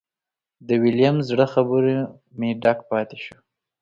د ویلیم زړه خبرو مې ډک پاتې شو.